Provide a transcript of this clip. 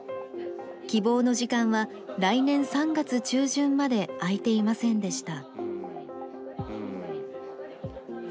希望の時間は来年３月中旬まで空いていませんでした。